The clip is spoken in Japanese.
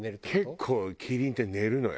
結構キリンって寝るのよ